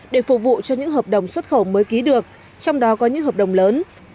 để phục vụ cho những hợp đồng xuất khẩu mới ký được trong đó có những hợp đồng lớn